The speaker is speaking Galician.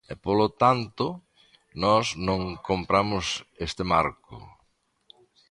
E, polo tanto, nós non compramos este marco.